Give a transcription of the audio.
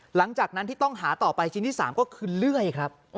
หลังจากนั้นที่ต้องหาต่อไปชิ้นที่๓ก็คือเลื่อยครับ